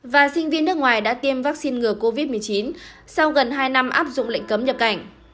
và sinh viên nước ngoài đã tiêm vaccine ngừa covid một mươi chín sau gần hai năm áp dụng lệnh cấm nhập cảnh